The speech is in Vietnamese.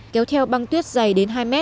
kéo theo băng tuyết dày đến hai m